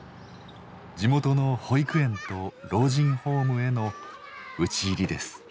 地元の保育園と老人ホームへの討ち入りです。